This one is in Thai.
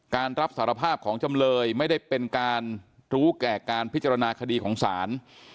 การรับสารภาพของจำเลยไม่ได้เป็นการรู้แก่การพิจารณาคดีของศาล